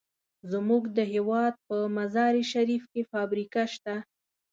زمونږ د هېواد په مزار شریف کې فابریکه شته.